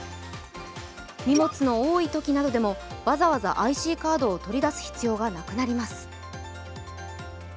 荷物の多いときなどでも、わざわざＩＣカードを取り出す必要がなくなります。